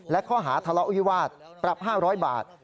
และข้อหาทะเลาะวิวาสปรับ๕๐๐บาท